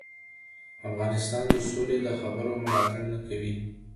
افغانستان د سولي د خبرو ملاتړ نه کوي.